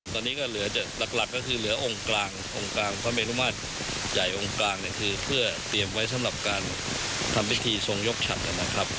ตอนนี้ก็เหลือหลักก็คือเหลือองค์กลางองค์กลางพระเมรุมาตรใหญ่องค์กลางเนี่ยคือเพื่อเตรียมไว้สำหรับการทำพิธีทรงยกฉัดนะครับ